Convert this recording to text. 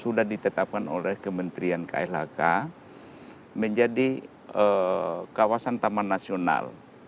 sudah ditetapkan oleh kementerian klhk menjadi kawasan taman nasional